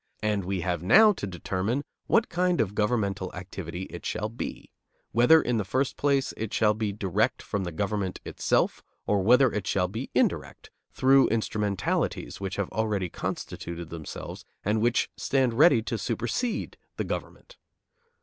And we have now to determine what kind of governmental activity it shall be; whether, in the first place, it shall be direct from the government itself, or whether it shall be indirect, through instrumentalities which have already constituted themselves and which stand ready to supersede the government.